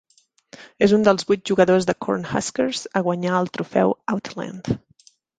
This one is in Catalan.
És un dels vuit jugadors de Cornhuskers a guanyar el Trofeu Outland.